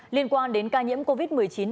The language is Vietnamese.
liên quan đến ca nhiễm covid một mươi chín